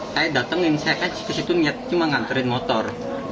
saya datengin saya kan kesitu cuma ngantriin motor